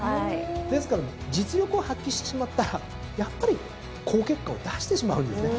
ですから実力を発揮してしまったらやっぱり好結果を出してしまうんですね。